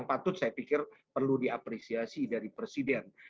ini adalah usaha yang k eficir perlu diapresiasi oleh presiden